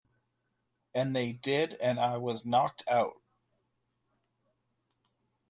And they did, and I was knocked out.